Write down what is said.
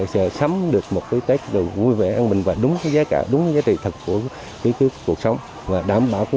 sẽ sắm được một cái tết vui vẻ an bình và đúng giá trị thật của ý kiến của cuộc sống và đảm bảo